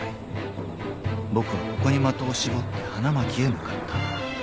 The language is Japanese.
［僕はここに的を絞って花巻へ向かった］